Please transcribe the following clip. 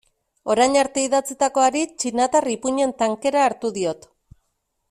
Orain arte idatzitakoari txinatar ipuin-en tankera hartu diot.